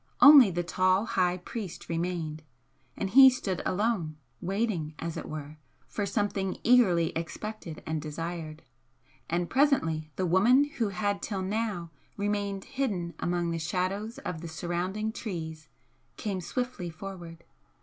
Only the tall high priest remained, and he stood alone, waiting, as it were, for something eagerly expected and desired. And presently the woman who had till now remained hidden among the shadows of the surrounding trees, came swiftly forward.